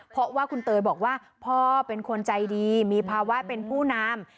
เพราะว่าคุณเตยบอกว่าพ่อเป็นคนใจดีมีภาวะเป็นผู้นำ